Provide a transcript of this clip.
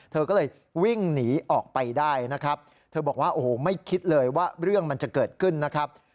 เธอก็เลยวิ่งหนีออกไปได้นะครับเธอบอกว่าโอ้โหไม่คิดเลยว่าเรื่องมันจะเกิดขึ้นนะครับ